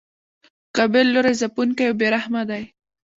مقابل لوری ځپونکی او بې رحمه دی.